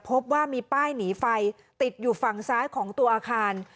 พบว่ามีป้ายหนีไฟติดอยู่ฝั่งซ้ายของตัวอาคาร